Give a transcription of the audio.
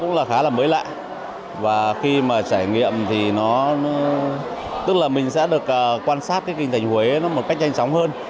nó khá là mới lạ và khi mà trải nghiệm thì nó tức là mình sẽ được quan sát cái kinh tếnh huế nó một cách nhanh sóng hơn